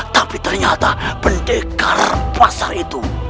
tapi ternyata pendekar pasar itu